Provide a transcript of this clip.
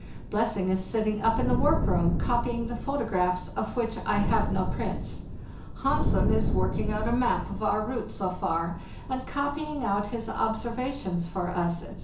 Blessing is sitting up in the work room, copying the photographs of which I have no prints. Hansen is working out a map of our route so far, and copying out his observations for us, etc.